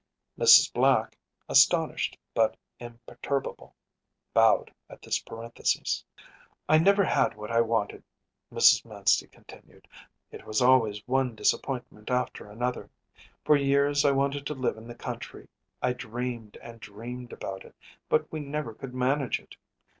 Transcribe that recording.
‚ÄĚ Mrs. Black, astonished but imperturbable, bowed at this parenthesis. “I never had what I wanted,‚ÄĚ Mrs. Manstey continued. “It was always one disappointment after another. For years I wanted to live in the country. I dreamed and dreamed about it; but we never could manage it.